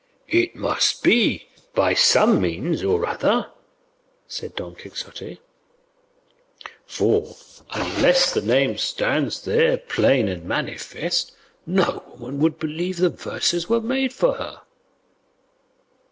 "It must be, by some means or other," said Don Quixote, "for unless the name stands there plain and manifest, no woman would believe the verses were made for her."